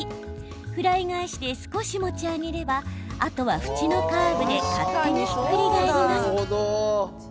フライ返しで少し持ち上げればあとは縁のカーブで勝手にひっくり返ります。